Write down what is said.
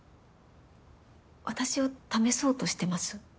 私を試そうとしてます？